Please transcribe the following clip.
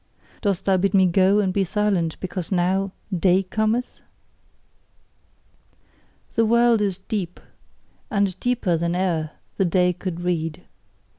Dost thou bid me go and be silent, because now DAY cometh? The world is deep: and deeper than e'er the day could read.